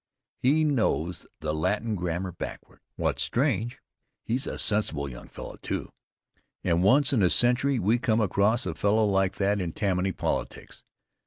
He knows the Latin grammar backward. What's strange, he's a sensible young fellow, too. About once in a century we come across a fellow like that in Tammany politics.